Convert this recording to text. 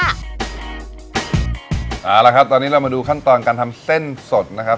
เอาละครับตอนนี้เรามาดูขั้นตอนการทำเส้นสดนะครับ